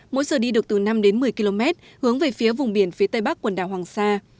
mỗi giờ đi được từ năm đến một mươi km hướng về phía vùng biển phía tây bắc quần đảo hoàng sa